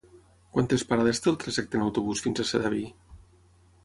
Quantes parades té el trajecte en autobús fins a Sedaví?